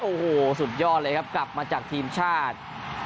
โอ้โหสุดยอดเลยครับกลับมาจากทีมชาติ